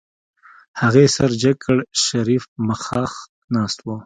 هغې سر جګ کړ شريف مخاخ ناست و.